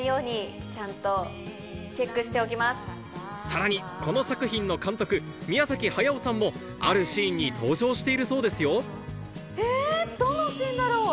さらにこの作品の監督宮崎駿さんもあるシーンに登場しているそうですよえぇ！